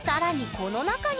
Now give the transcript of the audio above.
この中に？